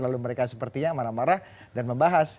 lalu mereka sepertinya marah marah dan membahas